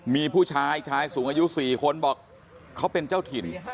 มีผู้ชายชายสูงอายุ๔คนบอกเขาเป็นเจ้าถิ่น